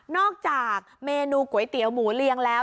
อกจากเมนูก๋วยเตี๋ยวหมูเรียงแล้ว